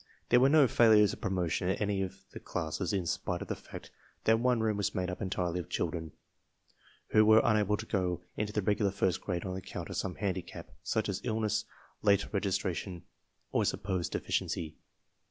There were no failures of promotion in any of the classes in spite of the fact that one room was made up entirely of children who were unable to go into the regular first grade on account of some handicap, such as illness, late regis tration, or supposed deficiency.